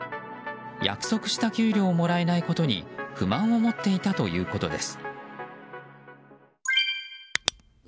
約束した給料をもらえないことに不満を持っていたということです。